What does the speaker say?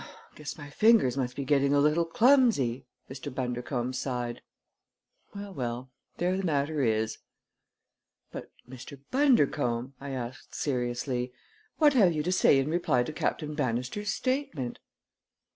"Guess my fingers must be getting a bit clumsy," Mr. Bundercombe sighed. "Well, well! There the matter is." "But, Mr. Bundercombe," I asked seriously, "what have you to say in reply to Captain Bannister's statement?"